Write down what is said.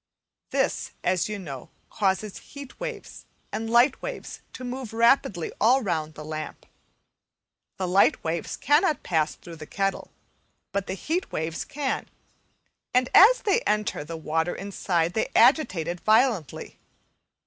This, as you know, causes heat waves and light waves to move rapidly all round the lamp. The light waves cannot pass through the kettle, but the heat waves can, and as they enter the water inside they agitate it violently.